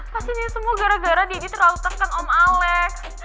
pastinya semua gara gara di ini terlalu tekan om alex